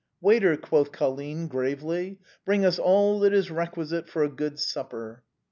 " Waiter !" quoth Colline, gravely, " bring us all that is requisite for a good supper."